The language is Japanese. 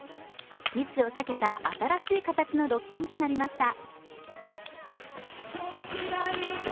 密を避けた新しい形のロッキンとなりました。